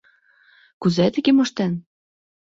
Кузе тыге моштен?